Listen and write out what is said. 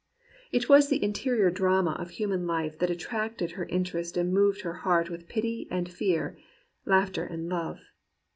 It was the interior drama of human life that at tracted her interest and moved her heart with pity and fear, laughter and love.